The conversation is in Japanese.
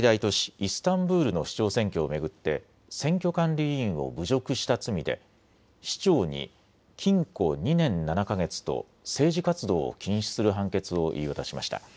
イスタンブールの市長選挙を巡って選挙管理委員を侮辱した罪で市長に禁錮２年７か月と政治活動を禁止する判決を言い渡しました。